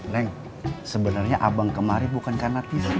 neng sebenarnya abang kemari bukan karena tisu